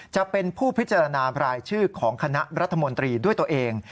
จะเป็นผู้พิจารณารายชื่อของคณะรัฐมนตรีด้วยตัวเอง